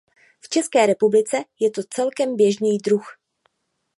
V České republice je to celkem běžný druh.